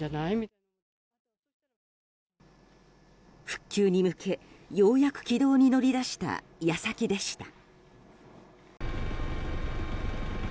復旧に向け、ようやく軌道に乗り出した矢先でした。